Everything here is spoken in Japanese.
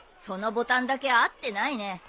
そのボタンだけ合ってないね。